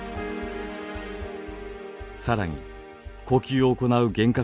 更に呼吸を行う原核